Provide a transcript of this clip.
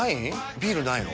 ビールないの？